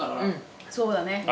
そうだね。